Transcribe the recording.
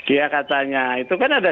ya katanya itu kan ada